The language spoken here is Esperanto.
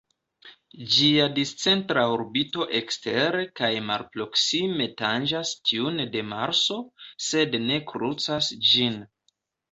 Ĝia discentra orbito ekstere kaj malproksime tanĝas tiun de Marso, sed ne krucas ĝin.